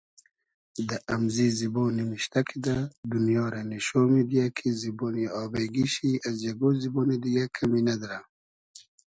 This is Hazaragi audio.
دۂ امزی زیبۉ نیمیشتۂ کیدۂ دونیا رۂ نیشۉ میدیۂ کی زیبۉنی آبݷ گی شی از یئگۉ زیبۉنی دیگۂ کئمی نئدرۂ